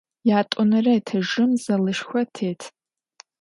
Yat'onere etajjım zalışşxo têt.